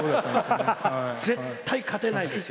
絶対勝てないですよ